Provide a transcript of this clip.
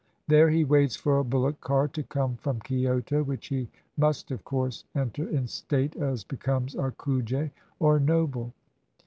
There he waits for a bullock car to come from Kioto, which he must of course enter in state as becomes a kuge, or noble.